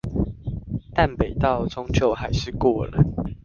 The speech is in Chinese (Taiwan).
淡北道終究還是過了